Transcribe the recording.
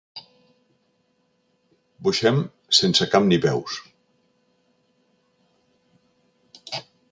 Boxem sense cap ni peus.